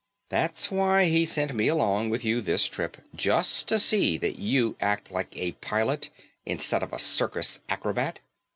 That's why he sent me along with you this trip. Just to see that you act like a pilot instead of circus acrobat."